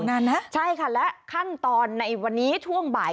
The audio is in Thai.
นานนะใช่ค่ะและขั้นตอนในวันนี้ช่วงบ่าย